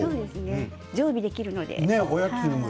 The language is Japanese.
常備できるので。